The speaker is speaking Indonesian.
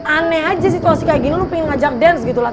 aneh aja situasi kayak gini lu pengen ngajak dance gitu lah